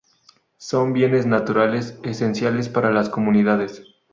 son bienes naturales esenciales para las comunidades